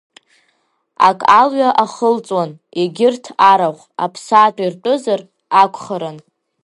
Ак алҩа ахылҵуан, егьырҭ арахә, аԥсаатә иртәызар акәхарын.